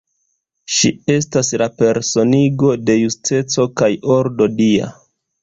Ŝi estas la personigo de justeco kaj ordo dia.